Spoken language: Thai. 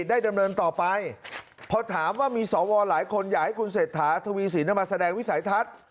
ดำเนินต่อไปพอถามว่ามีสวหลายคนอยากให้คุณเศรษฐาทวีสินมาแสดงวิสัยทัศน์